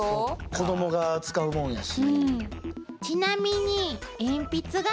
子どもが使うもんやし。